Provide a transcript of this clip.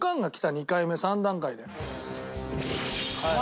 ２回目３段階で。